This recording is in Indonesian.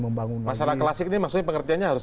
membangun masalah klasik ini maksudnya pengertiannya harus